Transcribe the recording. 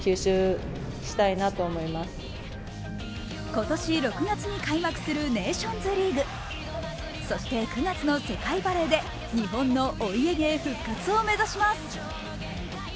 今年６月に開幕するネーションズリーグそして９月の世界バレーで日本のお家芸復活を目指します。